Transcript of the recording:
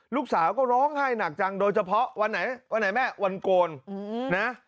ลูกสาวก็ร้องไห้หนักจังโดยเฉพาะวันไหนวันไหนแม่วันโกนนะ